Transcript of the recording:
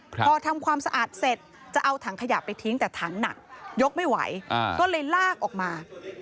พอทำความสะอาดเสร็จจะเอาถังขยะไปทิ้งแต่ถังหนักยกไม่ไหวก็เลยลากออกมา